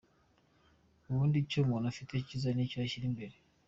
Ubundi icyo umuntu afite cyiza nicyo ashyira imbere.